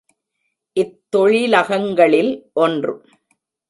இத் தொழிலகங்களில் ஒன்று.